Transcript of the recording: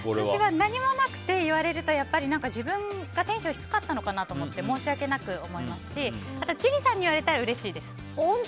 私は、何もなくて言われると自分がテンション低かったのかなと思って申し訳なく思いますし千里さんに言われたらうれしいです。